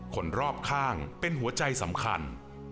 คนรอบข้างเป็นหัวใจสำคัญ